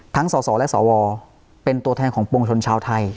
ทั้งส่อและส่อวเป็นตัวแทนของปวงชนชาวไทย